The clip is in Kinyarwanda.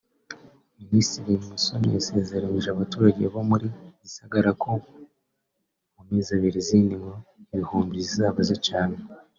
Minisitiri Musoni yasezeranyije abaturage bo muri Gisagara ko mu mezi abiri izindi ngo ibihumbi zizaba zicaniwe